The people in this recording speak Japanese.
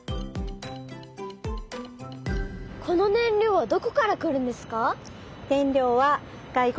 この燃料はどこから来るんですか？